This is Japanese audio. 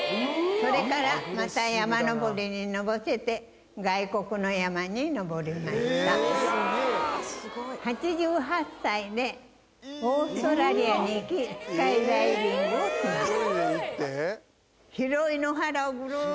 それからまた山登りにのぼせて外国の山に登りました８８歳でオーストラリアに行きスカイダイビングをします